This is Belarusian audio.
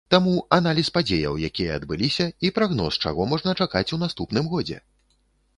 Таму аналіз падзеяў, якія адбыліся, і прагноз, чаго можна чакаць у наступным годзе?